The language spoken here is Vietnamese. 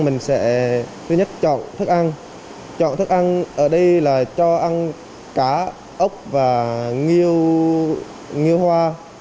mình sẽ thứ nhất chọn thức ăn chọn thức ăn ở đây là cho ăn cá ốc và nghiêu hoa